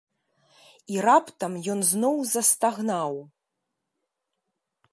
І раптам ён зноў застагнаў.